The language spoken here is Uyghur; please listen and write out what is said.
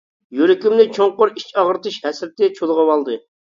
يۈرىكىمنى چوڭقۇر ئىچ ئاغرىتىش ھەسرىتى چۇلغىۋالدى.